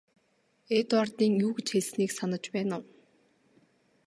Эдвардын юу гэж хэлснийг санаж байна уу?